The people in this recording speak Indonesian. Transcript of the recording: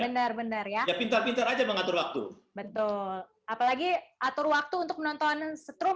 benar benar ya pintar pintar aja mengatur waktu betul apalagi atur waktu untuk menonton strum